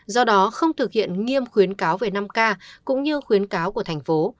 do đó không thực hiện nghiêm khuyến cáo về năm k cũng như khuyến cáo của thành phố